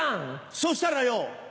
そしたらよ。